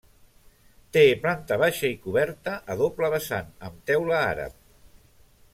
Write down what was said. Té planta baixa i coberta a doble vessant amb teula àrab.